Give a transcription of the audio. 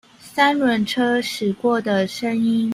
三輪車駛過的聲音